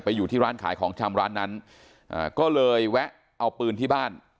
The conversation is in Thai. อยู่ที่ร้านขายของชำร้านนั้นอ่าก็เลยแวะเอาปืนที่บ้าน